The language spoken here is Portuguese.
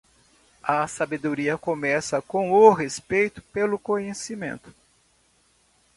A sabedoria começa com o respeito pelo conhecimento.